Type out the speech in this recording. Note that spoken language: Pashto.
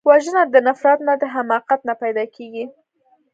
وژنه د نفرت نه، د حماقت نه پیدا کېږي